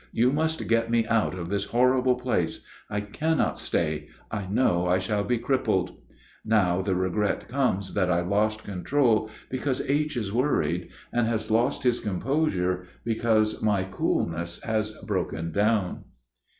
"You must get me out of this horrible place; I cannot stay; I know I shall be crippled." Now the regret comes that I lost control, because H. is worried, and has lost his composure, because my coolness has broken down.